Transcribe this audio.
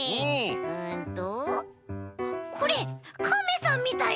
うんとこれカメさんみたいだ！